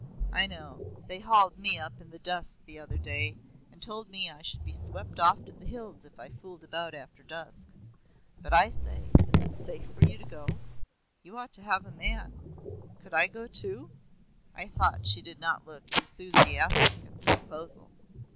"I know; they hauled me up in the dusk the other day, and told me I should be swept off to the hills if I fooled about after dusk. But I say is it safe for you to go? You ought to have a man. Could I go too?" I thought she did not look enthusiastic at the proposal.